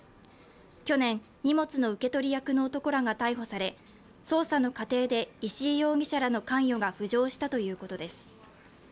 去年、荷物の受け取り役の男らが逮捕され捜査の過程で石井容疑者らの関与が浮上したということです。